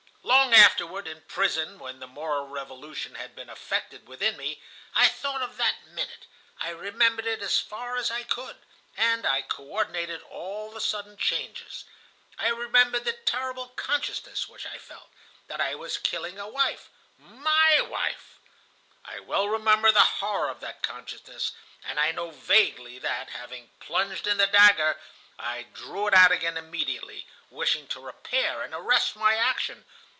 "Long afterward, in prison when the moral revolution had been effected within me, I thought of that minute, I remembered it as far as I could, and I co ordinated all the sudden changes. I remembered the terrible consciousness which I felt,—that I was killing a wife, my wife. "I well remember the horror of that consciousness and I know vaguely that, having plunged in the dagger, I drew it out again immediately, wishing to repair and arrest my action.